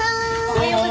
おはよう。